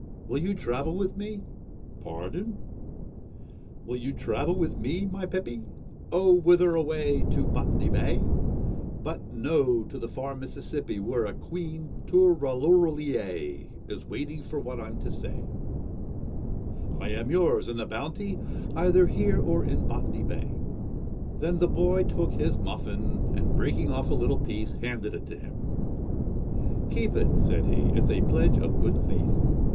: Will you travel with me ?'' Pardon ?' 4 Will you travel with me, my pippy ?'' Oh ! Whither away ? To Botany Bay ?'' But no ; to the far Mississippi, Where a Queen tooral ooral i ay Is waiting for what I'm to say' ' I am yours ! And the bounty ?'' Either here or in Botany Bay !' Then the boy took his muffin, and, breaking off a little piece, handed it to him. ' Keep it,' said he ;' it 's a pledge of good faith.'